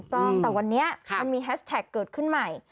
ถูกต้องแต่วันนี้มันมีแฮชแท็กเกิดขึ้นใหม่